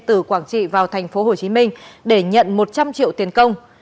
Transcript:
từ quảng trị vào tp hcm để nhận một trăm linh triệu tiền công